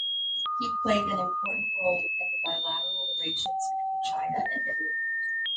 He played an important role in the bilateral relations between China and Italy.